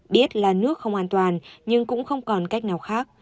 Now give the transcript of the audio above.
biết là nước không an toàn nhưng cũng không còn cách nào khác